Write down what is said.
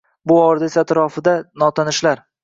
Bu orada esa atrofida notanishlar.